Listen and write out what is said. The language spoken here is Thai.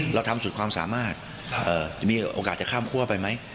เราทำสุดความสามารถจะมีโอกาสจะข้ามคั่วไปไหม